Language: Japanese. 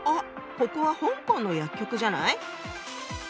ここは香港の薬局じゃない？